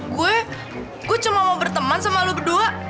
gue gue cuma mau berteman sama lo berdua